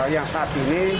yang saat ini